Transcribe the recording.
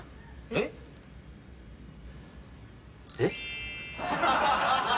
えっ？えっ？